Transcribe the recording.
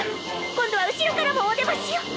今度は後ろからもおでましよ！